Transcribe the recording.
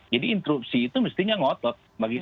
jadi instruksi itu mestinya ngotot bagi saya